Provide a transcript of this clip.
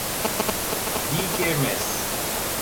دیگ مس